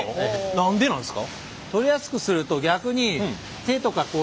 何でなんすか？